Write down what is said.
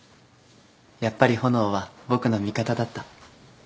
やっぱり炎は僕の味方だった。